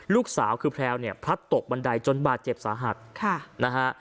ลูกสาวคือแพลวเนี่ยพลัดตกบันไดจนบาดเจ็บสาหัสค่ะนะฮะ